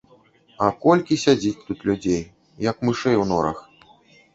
А колькі сядзіць тут людзей, як мышэй у норах.